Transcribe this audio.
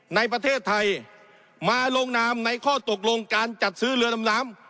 ในประเทศไทยมาลงนามในข้อตกลงการจัดซื้อเรือดำน้ำ